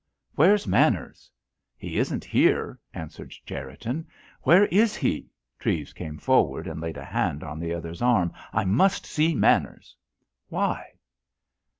"Where's Manners?" "He isn't here," answered Cherriton. "Where is he?" Treves came forward and laid a hand on the other's arm. "I must see Manners." "Why?"